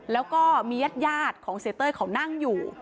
แล้วก็มียาดของเศรษฐ์เตยเขานั่งอยู่